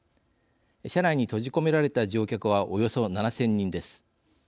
車内に閉じ込められた乗客はおよそ７０００人です。